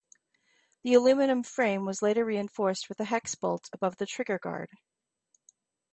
The aluminum frame was later reinforced with a hex bolt above the trigger guard.